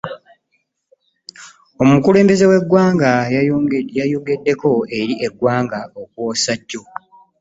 Omukulembeze w'eggwanga yayogeddeko eri eggwanga okwosa jjo.